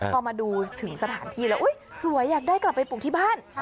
พอมาดูถึงสถานที่แล้วอุ๊ยสวยอยากได้กลับไปปลูกที่บ้าน